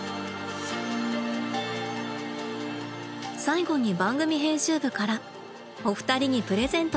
最後に番組編集部からお二人にプレゼントが。